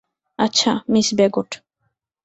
আচ্ছা, miss Bagot.